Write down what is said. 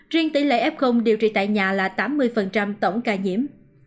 riêng tỷ lệ f điều trị tại nhà là tám mươi tổng ca nhiễm